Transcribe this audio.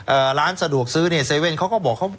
ร้านสะดวกซื้อเนี่ยเซเว่นเขาก็บอกเขา